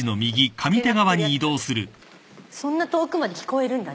そんな遠くまで聞こえるんだ。